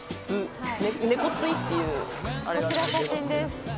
こちら写真です。